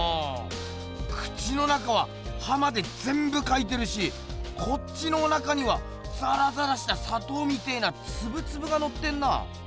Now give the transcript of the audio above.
口の中ははまでぜんぶかいてるしこっちのおなかにはザラザラしたさとうみてえなツブツブがのってんな！